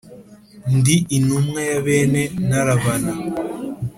ndi intumwa ya bene ntarabana